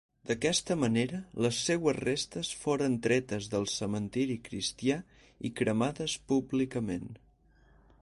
D'aquesta manera, les seues restes foren tretes del cementiri cristià i cremades públicament.